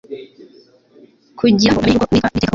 kugira ngo bamenye yuko uwitwa uwiteka ko